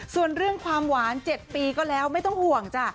ส่วนเรื่องความหวาน๗ปีก็แล้วไม่ต้องห่วงจ้ะ